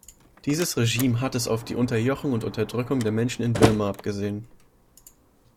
Dieses Regime hat es auf die Unterjochung und Unterdrückung der Menschen in Birma abgesehen.